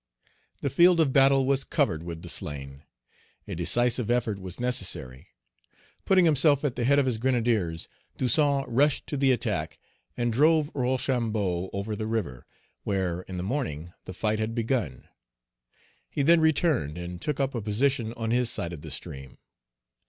The field of battle was covered with the slain. A decisive effort was necessary. Putting himself at the head of his grenadiers, Toussaint rushed to the attack, and drove Rochambeau over the river, where, in the morning, the fight had begun. He then returned, and took up a position on his side of the stream.